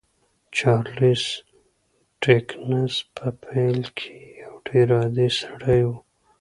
چارلیس ډیکنز په پیل کې یو ډېر عادي سړی و